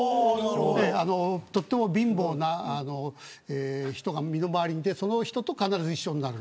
とても貧乏な人が身の回りにいてその人と必ず一緒になる。